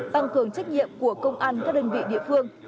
tăng cường trách nhiệm của công an các đơn vị địa phương